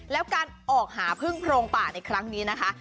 แล้วการออกหาพึ่งโพรงป่าในครั้งนี้นะคะ